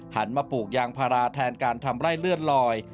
หันมาปลูกยางพาราแทนการทำไร่เลือดลอย